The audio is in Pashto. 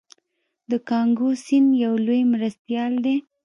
د کانګو سیند یو لوی مرستیال دی.